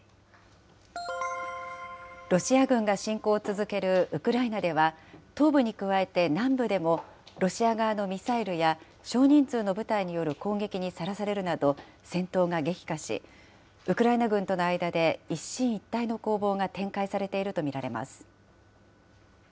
ロシア軍が侵攻を続けるウクライナでは、東部に加えて南部でも、ロシア側のミサイルや少人数の部隊による攻撃にさらされるなど、戦闘が激化し、ウクライナ軍との間で一進一退の攻防が展開されていると見られます。